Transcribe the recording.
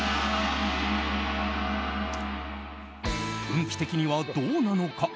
運気的にはどうなのか？